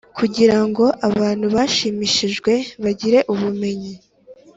Kugira ngo abantu bashimishijwe bagire ubumenyi